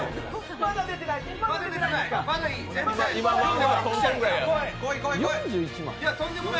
まだ出てない。